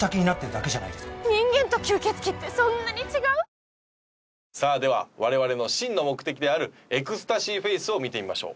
最高の渇きにＤＲＹさあでは我々の真の目的であるエクスタシーフェイスを見てみましょう。